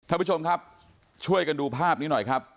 ท่านผู้ชมครับช่วยกันดูภาพนี้หน่อยครับ